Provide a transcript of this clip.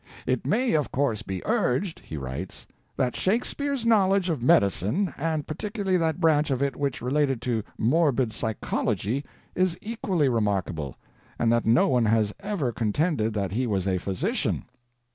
"It may, of course, be urged," he writes, "that Shakespeare's knowledge of medicine, and particularly that branch of it which related to morbid psychology, is equally remarkable, and that no one has ever contended that he was a physician.